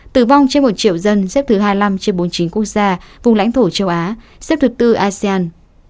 tử vong trên một triệu dân xếp thứ hai mươi năm trên bốn mươi chín quốc gia vùng lãnh thổ châu á xếp thứ tư asean